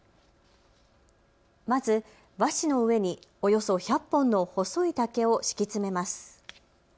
まず和紙の上におよそ１００本の細い竹を敷き詰めます。